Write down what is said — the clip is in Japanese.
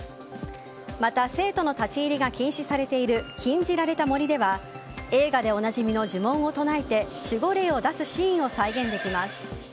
また、生徒の立ち入りが禁止されている禁じられた森では映画でおなじみの呪文を唱えて守護霊を出すシーンを再現できます。